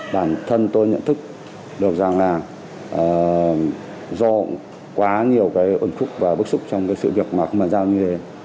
bản thân tôi nhận thức được rằng là do quá nhiều cái ẩn phúc và bức xúc trong cái sự việc mà không bàn giao như thế